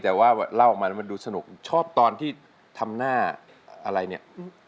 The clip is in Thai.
แต่ว่าเล่าออกมาแล้วมันดูสนุกชอบตอนที่ทำหน้าอะไรเนี่ย